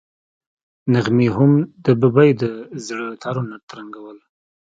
نغمې هم د ببۍ د زړه تارونه ترنګول.